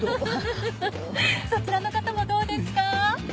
そちらの方もどうですか？